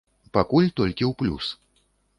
Пакуль толькі ў плюс.